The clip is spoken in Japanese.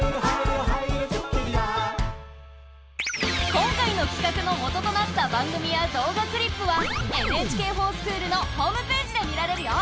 今回のきかくの元となった番組や動画クリップは「ＮＨＫｆｏｒＳｃｈｏｏｌ」のホームページで見られるよ。